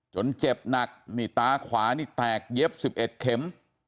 เจ็บหนักนี่ตาขวานี่แตกเย็บ๑๑เข็ม